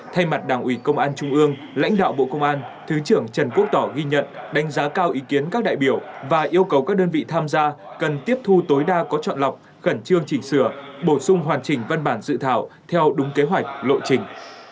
thay mặt đảng ủy công an trung ương lãnh đạo bộ công an thứ trưởng trần quốc tỏ ghi nhận đánh giá cao ý kiến các đại biểu và yêu cầu các đơn vị tham gia cần tiếp thu tối đa có chọn lọc khẩn trương chỉnh sửa bổ sung hoàn chỉnh văn bản dự thảo theo đúng kế hoạch lộ trình